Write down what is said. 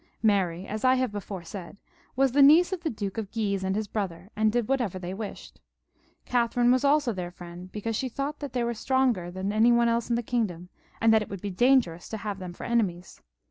Mary, as I have before said, was the niece of the Duke of Guise and his brother, and did whatever they wished. Catherine was also their friend, because she thought that they were stronger than any one else in the kingdom, and that it would be dangerous to have them for enemies.